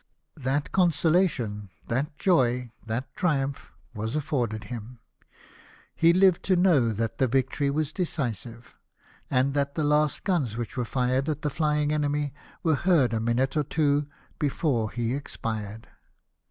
That consolation — that joy — that triumph, was afforded him. He lived to know that the victory Avas decisive ; and the last guns Avhich Avere fired at the flying enemy Avere heard a minute or two before V '.y2 2 LIFE OF NELfiON. lie expired.